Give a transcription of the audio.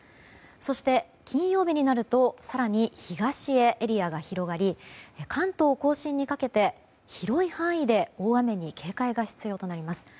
そして、金曜日になると更に東へエリアが広がり関東・甲信にかけて広い範囲で大雨に警戒が必要となります。